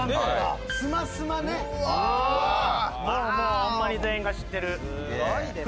もうホンマに全員が知ってる。